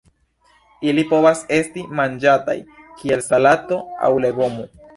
Ili povas esti manĝataj kiel salato aŭ legomo.